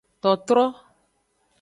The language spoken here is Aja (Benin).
Totro.